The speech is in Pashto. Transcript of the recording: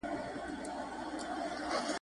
د هارولډ لاسکي پېژند په اسانۍ سره يادېږي.